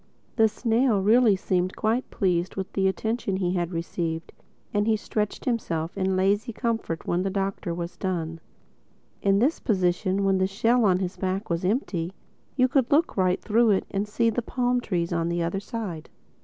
The snail really seemed to be quite pleased with the attention he had received; and he stretched himself in lazy comfort when the Doctor was done. In this position, when the shell on his back was empty, you could look right through it and see the palm trees on the other side.